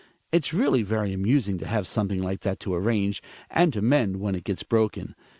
It's really very amusing to have something like that to arrange, and to mend when it gets broken.